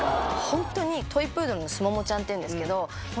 ホントにトイ・プードルのすももちゃんっていうんですけど。